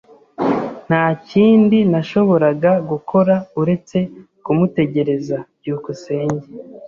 Nta kindi nashoboraga gukora uretse kumutegereza. byukusenge